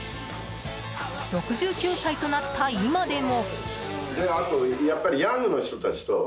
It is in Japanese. ６９歳となった今でも。